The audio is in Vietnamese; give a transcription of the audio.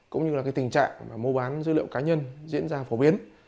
cũng như là tình trạng mua bán dữ liệu cá nhân diễn ra phổ biến